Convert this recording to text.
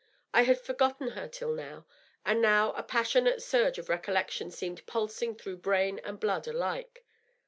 I had forgotten her till now, and now a passionate surge of recollection seemed pulsing through brain and blood alike.